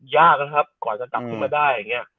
ยากนะครับก่อนจะกลับมาได้